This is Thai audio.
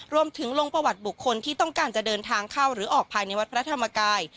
ลงประวัติบุคคลที่ต้องการจะเดินทางเข้าหรือออกภายในวัดพระธรรมกาย